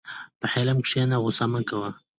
په حلم کښېنه، غوسه مه کوه.